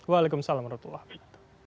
waalaikumsalam warahmatullahi wabarakatuh